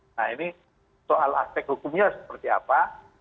nah ini soal aspek hukumnya seperti apa